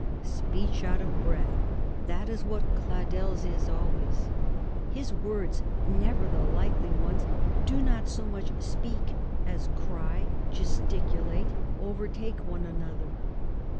Speech out of breath, that is what Cladel's is always; his words, never the likely ones, do not so much speak as cry, gesticulate, overtake one another.